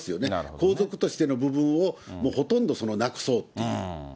皇族としての部分をほとんどなくそうっていう。